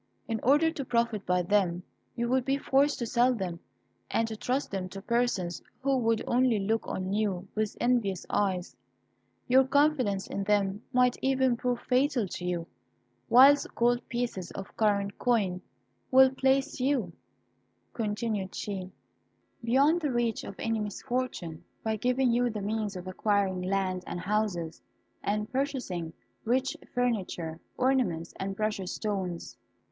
In order to profit by them you would be forced to sell them, and to trust them to persons who would only look on you with envious eyes. Your confidence in them might even prove fatal to you, whilst gold pieces of current coin will place you," continued she, "beyond the reach of any misfortune, by giving you the means of acquiring land and houses, and purchasing rich furniture, ornaments, and precious stones."